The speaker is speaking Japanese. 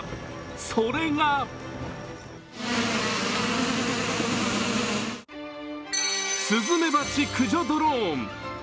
それがスズメバチ駆除ドローン。